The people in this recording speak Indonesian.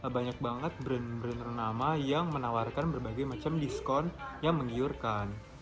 banyak banget brand brand ternama yang menawarkan berbagai macam diskon yang menggiurkan